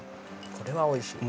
これはおいしい。